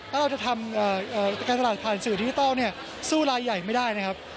ถ้าเราจะทำการตลาดผ่านสื่อดิจิทัลเนี่ยสู้ลายใหญ่ไม่ได้นะครับ